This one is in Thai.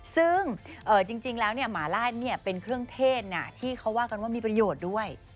ซึ่งจริงแล้วหมาลาดเป็นเครื่องเทศที่เขาว่ากันว่ามีประโยชน์ด้วย